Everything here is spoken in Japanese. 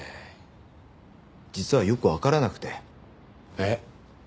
えっ？